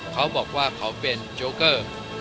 เขาบอกว่าเขาเป็นโจ๊เกอร์